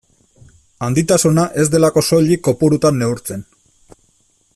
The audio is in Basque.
Handitasuna ez delako soilik kopurutan neurtzen.